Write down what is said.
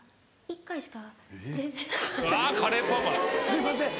すいません